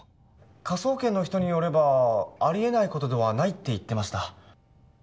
科捜研の人によればありえないことではないって言ってました